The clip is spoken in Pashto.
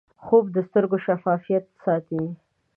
خوب د سترګو شفافیت ساتي